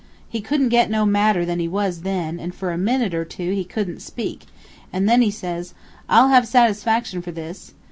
He couldn't get no madder than he was then, an' fur a minute or two he couldn't speak, an' then he says, 'I'll have satisfaction for this.'